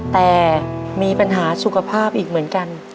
แต่มีปัญหาสุขภาพอีกเหมือนกัน